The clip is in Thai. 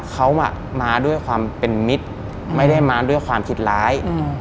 เขามาด้วยความเป็นมิตรไม่ได้มาด้วยความคิดร้าย